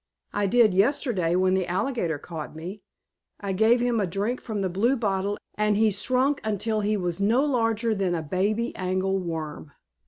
I did yesterday, when the alligator caught me. I gave him a drink from the blue bottle and he shrunk until he was no larger than a baby angle worm."